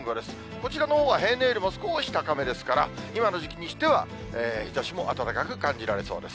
こちらのほうは平年よりも少し高めですから、今の時期にしては、日ざしも暖かく感じられそうです。